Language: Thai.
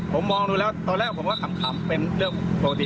ผมมองดูแล้วตอนแรกผมว่าขำเป็นเรื่องปกติ